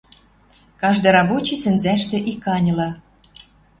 Каждый рабочий сӹнзӓштӹ иканьыла